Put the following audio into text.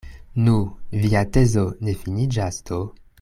Nu, via tezo ne finiĝas do?